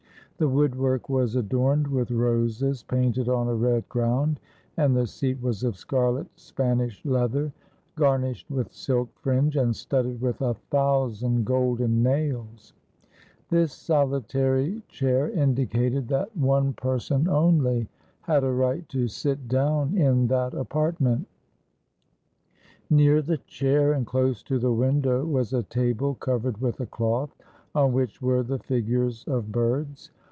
The woodwork was adorned with roses painted on a red ground, and the seat was of scarlet Spanish leather, gar nished with silk fringe, and studded with a thousand golden nails. This solitary chair indicated that one per 202 WHERE LOUIS XI SAID HIS PRAYERS son only had a right to sit down in that apartment. Near the chair and close to the window was a table covered with a cloth, on which were the figures of birds.